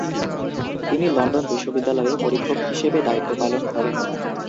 তিনি লন্ডন বিশ্ববিদ্যালয়েও পরীক্ষক হিসেবে দায়িত্ব পালন করেন।